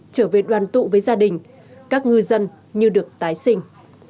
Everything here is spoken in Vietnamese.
trở về đoàn tụ với gia đình các ngư dân như được tái sinh